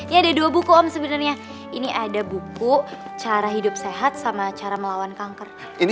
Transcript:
ya ada dua buku om sebenarnya ini ada buku cara hidup sehat sama cara melawan kanker ini